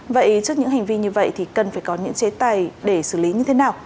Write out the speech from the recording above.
vậy trước những hành vi như vậy thì cần phải có những chế tài để xử lý như thế nào